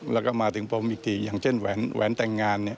แล้วก็มาถึงผมอีกทีอย่างเช่นแหวนแต่งงานเนี่ย